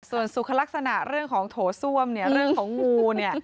ส่วนสุขลักษณะเรื่องของโถส้วมเนี่ยเรื่องของงูเนี่ย